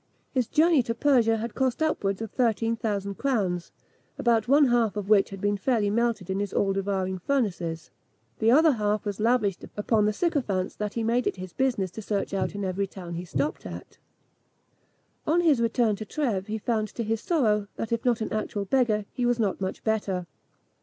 His journey to Persia had cost upwards of thirteen thousand crowns, about one half of which had been fairly melted in his all devouring furnaces; the other half was lavished upon the sycophants that he made it his business to search out in every town he stopped at. On his return to Trèves he found, to his sorrow, that, if not an actual beggar, he was not much better.